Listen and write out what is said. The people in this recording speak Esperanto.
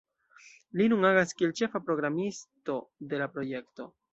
Li nun agas kiel ĉefa programisto de la projekto.